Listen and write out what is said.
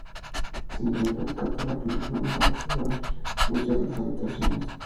Se intenta rescatar la pintura mural que decora muchas de las habitaciones.